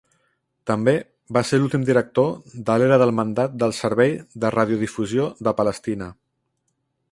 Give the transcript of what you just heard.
També va ser l'últim director de l'era del mandat del Servei de Radiodifusió de Palestina.